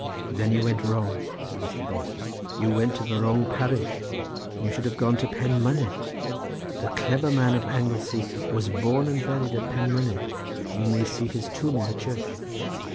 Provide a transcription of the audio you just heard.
"Then you went wrong," said Mr. Bos, "you went to the wrong parish, you should have gone to Penmynnydd; the clebber man of Anglesey was born and buried at Penmynnydd; you may see his tomb in the church."